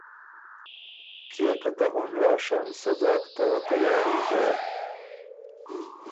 کيې که ته اُن راشن سۀ ځاک ته تیاري دې